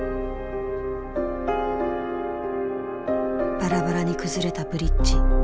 バラバラに崩れたブリッジ。